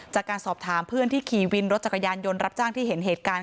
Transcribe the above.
จากการสอบถามเพื่อนที่ขี่วินรถจักรยานยนต์รับจ้างที่เห็นเหตุการณ์